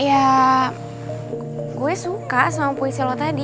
ya gue suka sama puisi lo tadi